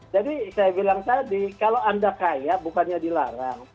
jadi saya bilang tadi kalau anda kaya bukannya dilarang